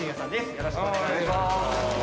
よろしくお願いします。